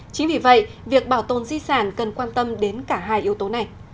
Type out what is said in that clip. chính vì vậy việc bảo tồn di sản cần quan tâm đến cả hai yếu tố này